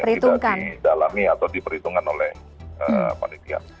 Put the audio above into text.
tidak didalami atau diperhitungkan oleh panitia